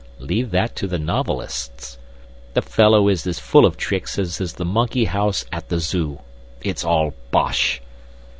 Leave that to the novelists. The fellow is as full of tricks as the monkey house at the Zoo. It's all bosh."